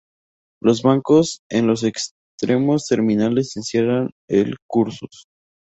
Los bancos en los extremos terminales encierran el cursus.